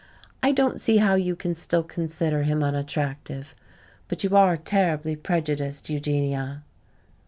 I don't see how you can still consider him unattractive. But you are terribly prejudiced, Eugenia."